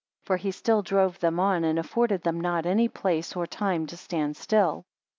For he still drove them on, and afforded them not any place, or time, to stand still.